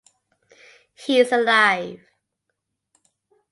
He is alive.